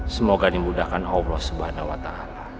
semoga dimudahkan allah subhanahu wa ta'ala